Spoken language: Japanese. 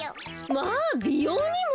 まあびようにも！